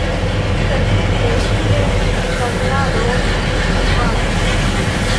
Intertempe ŝi lernis kantadon private.